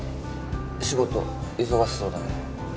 仕事忙しそうだけど。